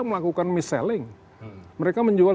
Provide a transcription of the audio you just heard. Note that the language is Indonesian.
melakukan mis selling mereka menjual